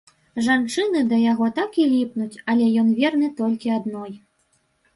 Жанчыны да яго так і ліпнуць, але ён верны толькі адной.